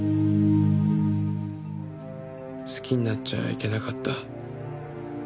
好きになっちゃいけなかった。